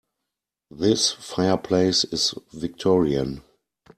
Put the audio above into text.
This fireplace is Victorian.